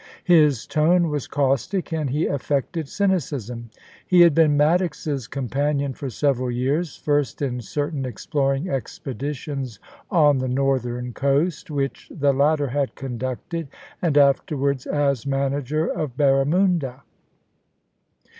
His tone was caustic, and he affected cynicism. He had been Maddox's 64 POLICY AND PASSION. companion for several years, first in certain exploring expedi tions on the northern coast which the latter had conducted, and afterwards as manager of Barramunda.